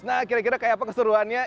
nah kira kira kayak apa keseruannya